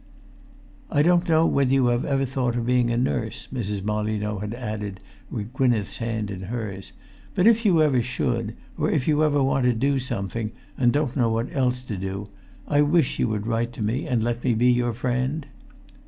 "I don't know whether you have ever thought of being a nurse," Mrs. Molyneux had added with Gwynneth's hand in hers; "but if you ever should—or if ever you want to do something, and don't know what else to do—I wish you would write to me, and let me be your friend."